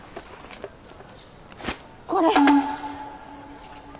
これ。